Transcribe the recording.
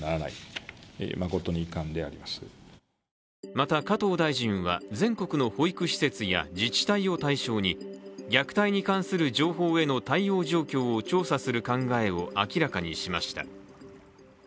また、加藤大臣は全国の保育施設や自治体を対象に虐待に関する情報への対応状況を調査する考えを明らかにしました。